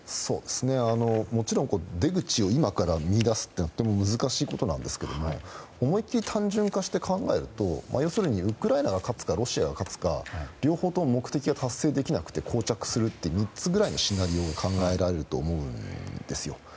もちろん出口を今から見いだすのはとても難しいことなんですが思い切り単純化して考えると要するにウクライナが勝つかロシアが勝つか両方とも目的が達成できなくて膠着するという３つくらいのシナリオが考えられると思うんです。